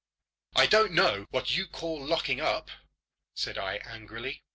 "I don't know what you call locking up," said I, angrily.